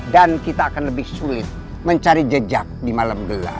dan kita akan lebih sulit mencari jejak di malam gelap